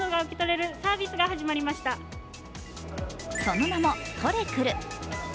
その名も、トレくる。